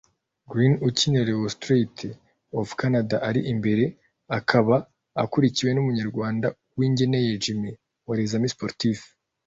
Greene ukinira Lowestrates of Canada ari imbere akaba akurikiwe n'umunyarwanda Uwingeneye Jimmy wa Les Amis Sportifs